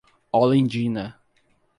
Olindina